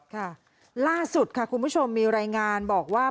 ค่ะล่าสุดค่ะคุณผู้ชมมีรายงานบอกว่า